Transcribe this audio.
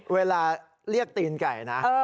เวลาเรียกตีนไก่นะ